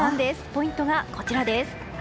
ポイントがこちらです。